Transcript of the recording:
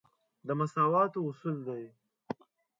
د مساواتو اصول دی.